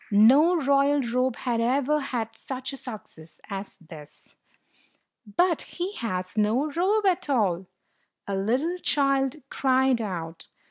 No royal robe had ever had such a success as this. "But he has no robe at all!" a little child cried out.